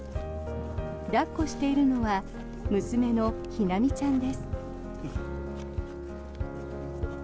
抱っこしているのは娘の陽心ちゃんです。